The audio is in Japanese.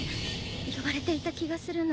呼ばれていた気がするの。